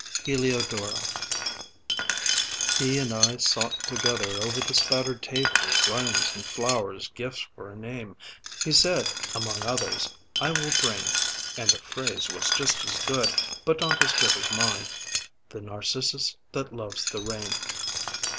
_ HELIODORA He and I sought together, over the spattered table, rhymes and flowers, gifts for a name. He said, among others, I will bring (and the phrase was just and good, but not as good as mine) "the narcissus that loves the rain."